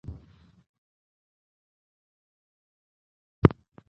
侵入を防ぐベウチェミン・ピナードです。